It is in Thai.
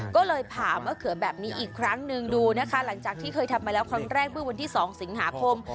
ก็เลยผ่ามะเขือแบบนี้อีกครั้งหนึ่งดูนะคะหลังจากที่เคยทำมาแล้วครั้งแรกเมื่อวันที่๒สิงหาคม